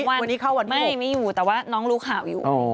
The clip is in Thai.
วันนี้เข้าวันไม่ไม่อยู่แต่ว่าน้องรู้ข่าวอยู่